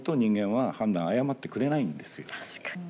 確かに。